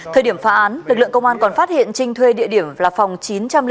thời điểm phá án lực lượng công an còn phát hiện trinh thuê địa điểm là phòng chín trăm linh tám